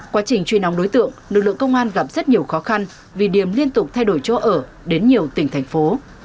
qua trình chuyên án đối tượng lực lượng công an gặp rất nhiều khó khăn vì điểm liên tục thay đổi chỗ ở đến nhiều tỉnh thành phố